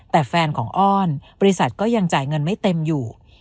แต่แฟนของอ้อนบริษัทก็ยังจ่ายเงินไม่เต็มอยู่